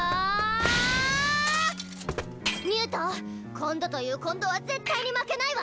今度という今度は絶対に負けないわ！